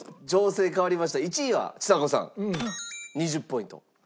１位はちさ子さん２０ポイント。